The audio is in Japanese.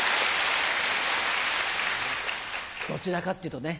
どちらかっていうとね